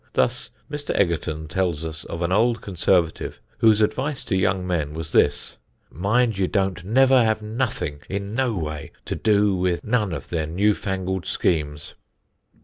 Thus, Mr. Egerton tells of an old conservative whose advice to young men was this: "Mind you don't never have nothing in no way to do with none of their new fangled schemes."